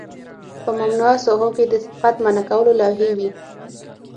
په ممنوعه ساحو کې د سبقت منع کولو لوحې وي